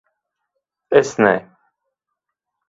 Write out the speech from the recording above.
Es ne...